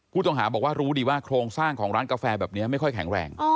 ผู้ต้องหาบอกว่ารู้ดีว่าโครงสร้างของร้านกาแฟแบบนี้ไม่ค่อยแข็งแรง